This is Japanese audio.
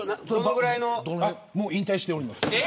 もう引退しております。